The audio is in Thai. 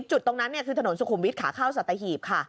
จุดตรงงานนี้คือถนนสุขุวิคขาข้าวสตระหีบค่ะ